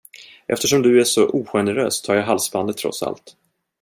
Eftersom du är så ogenerös, tar jag halsbandet trots allt.